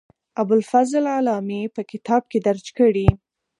ابوالفضل علامي په کتاب کې درج کړې.